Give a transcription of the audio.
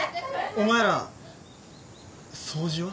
お前ら掃除は？